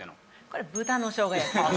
これは豚のしょうが焼き。